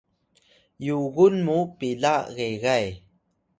yugun mu pila gegay